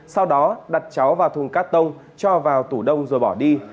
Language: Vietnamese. sau đó đặt cháu vào thùng cát tông cho vào tủ đông rồi bỏ đi